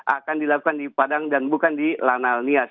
akan dilakukan di padang dan bukan di lanal nias